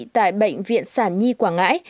tại bệnh viện sản nhi quảng ngãi